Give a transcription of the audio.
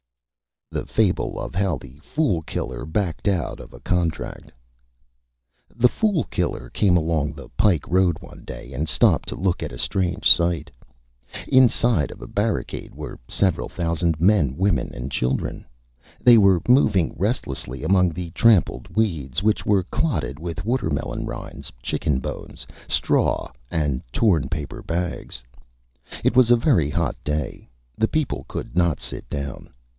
_ THE FABLE OF HOW THE FOOL KILLER BACKED OUT OF A CONTRACT The Fool Killer came along the Pike Road one Day and stopped to look at a Strange Sight. Inside of a Barricade were several Thousands of Men, Women and Children. They were moving restlessly among the trampled Weeds, which were clotted with Watermelon Rinds, Chicken Bones, Straw and torn Paper Bags. It was a very hot Day. The People could not sit down.